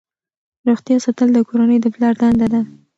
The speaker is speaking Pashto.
روغتیا ساتل د کورنۍ د پلار دنده ده.